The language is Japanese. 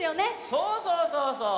そうそうそうそう。